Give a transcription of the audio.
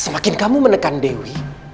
semakin kamu menekan dewi